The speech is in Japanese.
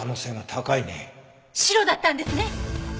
白だったんですね？